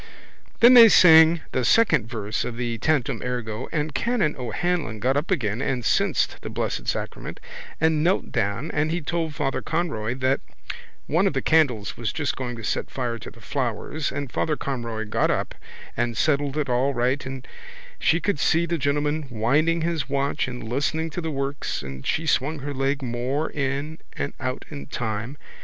Then they sang the second verse of the Tantum ergo and Canon O'Hanlon got up again and censed the Blessed Sacrament and knelt down and he told Father Conroy that one of the candles was just going to set fire to the flowers and Father Conroy got up and settled it all right and she could see the gentleman winding his watch and listening to the works and she swung her leg more in and out in time.